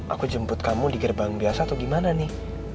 aku jemput kamu di gerbang biasa atau gimana nih